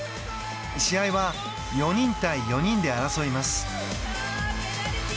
試合は４人対４人で争います。